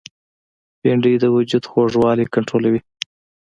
بېنډۍ د وجود خوږوالی کنټرولوي